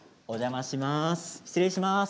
お邪魔します。